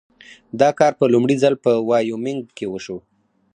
دا کار په لومړي ځل په وایومینګ کې وشو.